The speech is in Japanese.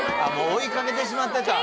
もう追いかけてしまってた？